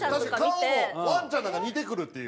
顔もワンちゃんなんか似てくるっていう。